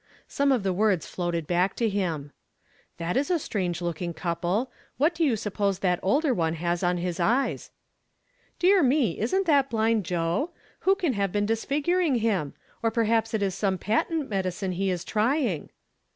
Some of the words floated back to them. " That is a strange looking couple ! What do you suppose that older one hos on his eyes ?" "Dear me! Isn't that blind Joe? Who can have been disfiguring him '/ Or perhaps it is some patent medicine he is trying